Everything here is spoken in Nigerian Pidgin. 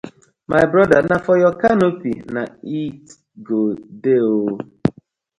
My broda na for yur canopy na it go dey ooo.